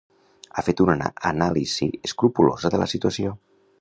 Ha fet una anàlisi escrupolosa de la situació.